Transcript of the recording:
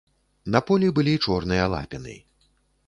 На полі былі чорныя лапіны.